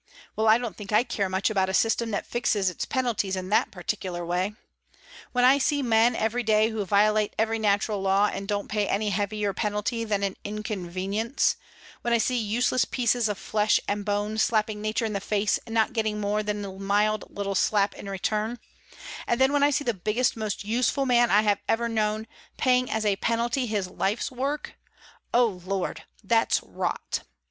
Well, I don't think I care much about a system that fixes its penalties in that particular way. When I see men every day who violate every natural law and don't pay any heavier penalty than an inconvenience, when I see useless pieces of flesh and bone slapping nature in the face and not getting more than a mild little slap in return, and then when I see the biggest, most useful man I have ever known paying as a penalty his life's work oh Lord that's rot!